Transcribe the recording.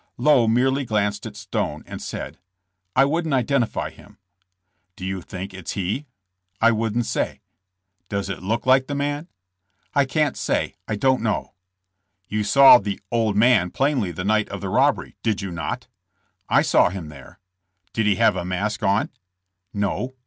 Lowe merely glanced at Stone, and said: "I wouldn't identify him." *'Do you think it's he?" I wouldn't say." *'Does it look like the man?" *'I can't say; I don't know." "You saw the 'old man' plainly the night of the robbery, did you not?" "I saw him there." "Did he have a mask on?" "No."